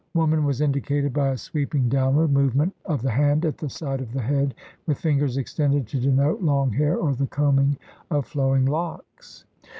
Woman was indicated by a sweeping downward movement of the hand at the side of the head with fingers extended to denote long hair or the combing of flowing locks.